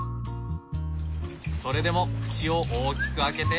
それでも口を大きく開けて。